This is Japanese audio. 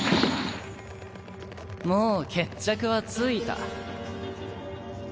もう決着はついた。